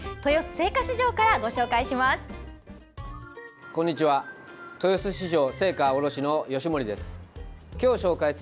青果市場からご紹介します。